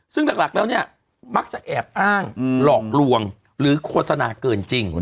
ซึ่งหลักแล้วเนี่ยมักจะแอบอ้างหลอกลวงหรือโฆษณาเกินจริง